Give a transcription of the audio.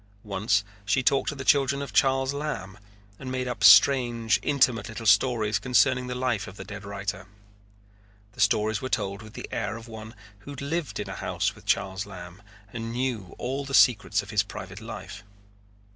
Once she talked to the children of Charles Lamb and made up strange, intimate little stories concerning the life of the dead writer. The stories were told with the air of one who had lived in a house with Charles Lamb and knew all the secrets of his private life.